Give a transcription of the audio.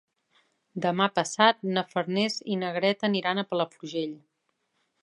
Demà passat na Farners i na Greta aniran a Palafrugell.